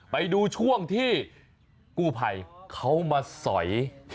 ไปดูช่วงที่กู้ภัยเขามาสอย